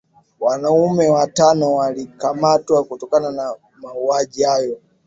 Wanaume watano walikamatwa kutokana na mauaji hayo